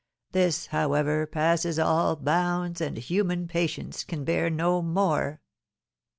This, however, passes all bounds, and human patience can bear no more!"